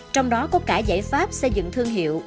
trong đó có cả giải pháp xây dựng thương hiệu